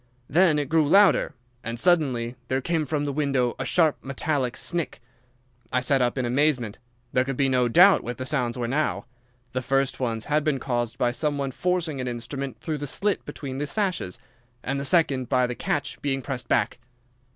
Then it grew louder, and suddenly there came from the window a sharp metallic snick. I sat up in amazement. There could be no doubt what the sounds were now. The first ones had been caused by some one forcing an instrument through the slit between the sashes, and the second by the catch being pressed back.